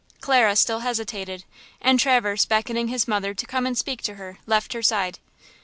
Clara still hesitated; and Traverse, beckoning his mother to come and speak to her, left her side.